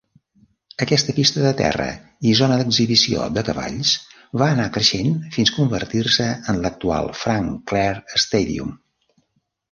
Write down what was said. Aquesta pista de terra i zona d'exhibició de cavalls va anar creixent fins convertir-se en l'actual Frank Clair Stadium.